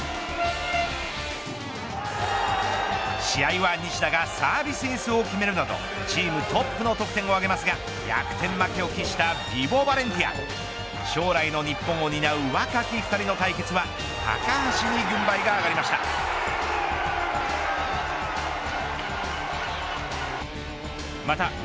試合は西田がサービスエースを決めるなどチームトップの得点を挙げますが逆転負けを喫したヴィボ・バレンティア将来の日本を担う若き２人の対決は高橋に軍配が上がりました。